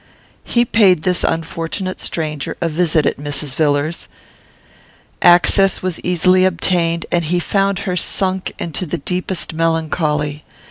He paid this unfortunate stranger a visit at Mrs. Villars's. Access was easily obtained, and he found her sunk into the deepest melancholy.